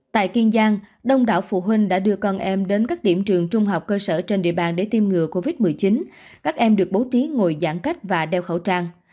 tại kiên giang đông đảo phụ huynh đã đưa con em đến các điểm trường trung học cơ sở trên địa bàn để tiêm ngừa covid một mươi chín các em được bố trí ngồi giãn cách và đeo khẩu trang